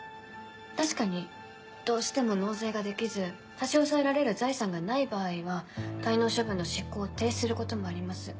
確かにどうしても納税ができず差し押さえられる財産がない場合は滞納処分の執行を停止することもあります。